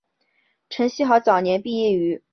陈希豪早年毕业于北京中国大学政治经济科。